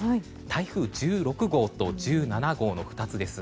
台風１６号と１７号の２つです。